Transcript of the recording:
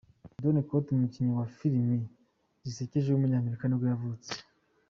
Dane Cook, umukinnyi wa filime zisekeje w’umunyamerika nibwo yavutse.